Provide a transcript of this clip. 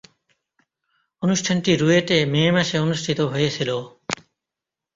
অনুষ্ঠানটি রুয়েটে মে মাসে অনুষ্ঠিত হয়েছিলো।